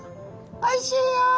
「おいしいよ。